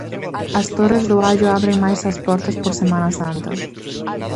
As Torres do Allo abren máis as portas por Semana Santa.